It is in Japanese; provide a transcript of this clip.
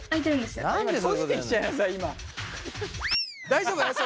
大丈夫？